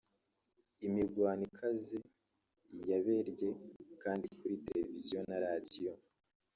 Imirwano ikaze yaberye kandi kuri Televiziyo na Radio